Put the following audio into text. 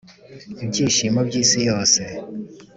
ibyishimo by'isi yose!